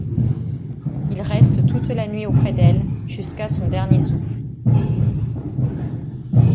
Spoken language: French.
Ils restent toute la nuit auprès d’elle jusqu’à son dernier souffle.